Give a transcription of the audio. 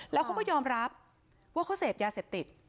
แล้วเขาก็ยอมรับว่าเขาเสพยาเสพติด